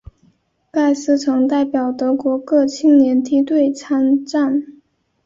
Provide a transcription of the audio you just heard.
盖斯曾代表德国各青年梯队参战。